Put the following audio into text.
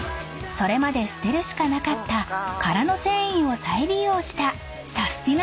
［それまで捨てるしかなかった殻の繊維を再利用したサスティな！